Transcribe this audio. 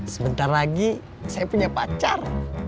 sebentar lagi saya punya pacar